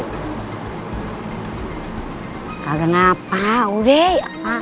gagal ngapa udah ya